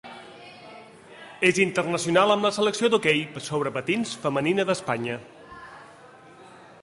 És internacional amb la Selecció d'hoquei sobre patins femenina d'Espanya.